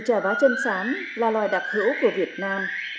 trà vá chân sám là loài đặc hữu của việt nam